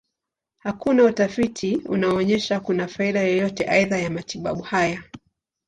Hakuna utafiti unaonyesha kuna faida yoyote aidha ya matibabu haya.